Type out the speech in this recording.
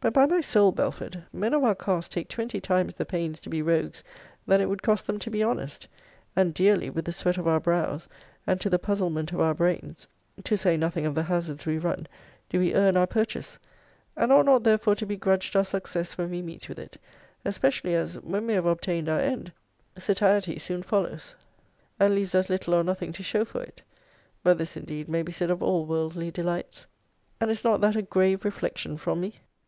But by my soul, Belford, men of our cast take twenty times the pains to be rogues than it would cost them to be honest; and dearly, with the sweat of our brows, and to the puzzlement of our brains, (to say nothing of the hazards we run,) do we earn our purchase; and ought not therefore to be grudged our success when we meet with it especially as, when we have obtained our end, satiety soon follows; and leaves us little or nothing to show for it. But this, indeed, may be said of all worldly delights. And is not that a grave reflection from me?